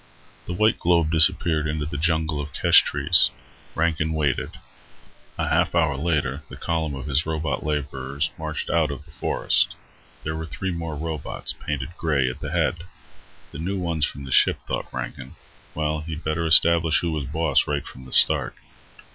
The white globe disappeared into the jungle of kesh trees. Rankin waited. A half hour later the column of his robot laborers marched out of the forest. There were three more robots, painted grey, at the head. The new ones from the ship, thought Rankin. Well, he'd better establish who was boss right from the start.